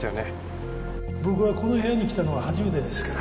僕はこの部屋に来たのは初めてですから